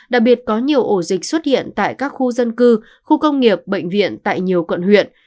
đặc biệt có nhiều ổ dịch xuất hiện tại các khu dân cư khu công nghiệp bệnh viện tại nhiều quận huyện